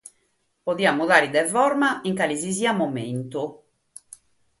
Podiat mudare de forma in cale si siat momentu.